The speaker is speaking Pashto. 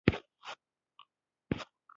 د ابو الحسن اشعري پیروان وو.